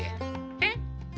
えっ。